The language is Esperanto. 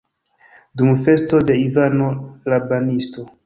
Dum festo de Ivano la Banisto!